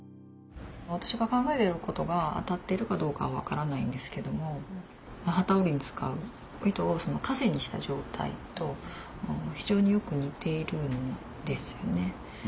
私が考えていることが当たっているかどうかはわからないんですけども機織りに使う糸を「かせ」にした状態と非常によく似ているんですよね。